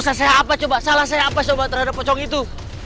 saya apa coba salah saya apa coba terhadap pocong itu